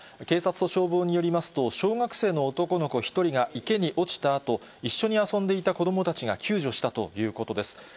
警察と消防によりますと、小学生の男の子１人が池に落ちたあと、一緒に遊んでいた子どもたちが救助したということです。